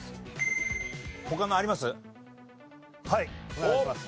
お願いします